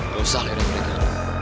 gak usah leher mereka